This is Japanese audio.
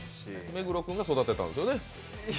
目黒君が育てたんですよね